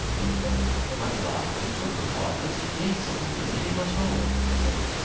まずはちょっと変わった実験室をのぞいてみましょう。